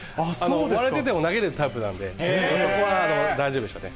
割れてても投げれるタイプだったので、そこは大丈夫でしたね。